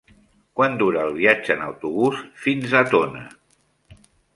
Quant dura el viatge en autobús fins a Tona?